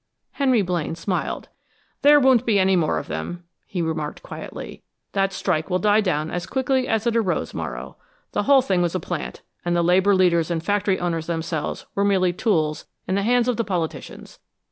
Henry Blaine smiled. "There won't be any more of them," he remarked quietly. "That strike will die down as quickly as it arose, Morrow; the whole thing was a plant, and the labor leaders and factory owners themselves were merely tools in the hands of the politicians.